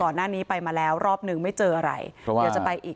ก่อนหน้านี้ไปมาแล้วรอบหนึ่งไม่เจออะไรเดี๋ยวจะไปอีก